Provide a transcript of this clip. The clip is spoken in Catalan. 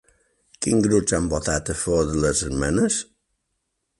Quins grups han votat a favor de les esmenes?